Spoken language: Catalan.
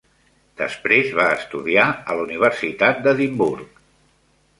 Després va estudiar a la Universitat d"Edinburgh.